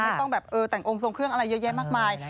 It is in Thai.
ไม่ต้องแบบเออแต่งองค์ทรงเครื่องอะไรเยอะแยะมากมาย